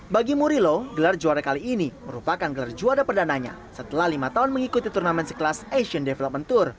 bagi murilo gelar juara kali ini merupakan gelar juara perdananya setelah lima tahun mengikuti turnamen sekelas asian development tour